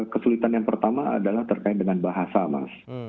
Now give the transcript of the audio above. kesulitan yang pertama adalah terkait dengan bahasa mas